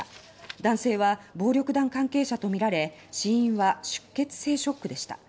男性は暴力団関係者とみられ死因は出血性ショックでした。